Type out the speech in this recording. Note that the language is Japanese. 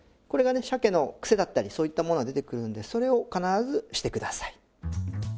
これがね鮭のクセだったりそういったものが出てくるのでそれを必ずしてください。